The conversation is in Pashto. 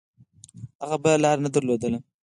هغه بله لاره نه درلوده.